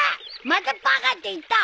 またバカって言った！